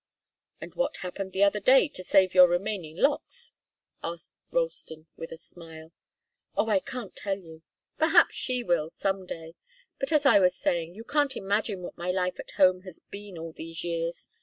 "And what happened the other day, to save your remaining locks?" enquired Ralston, with a smile. "Oh, I can't tell you. Perhaps she will, some day. But as I was saying, you can't imagine what my life at home has been all these years.